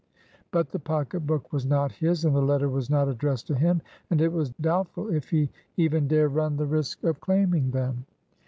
But the pocket book was not his, and the letter was not addressed to him; and it was doubtful if he even dare run the risk of claiming them.